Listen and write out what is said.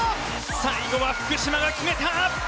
最後は福島が決めた！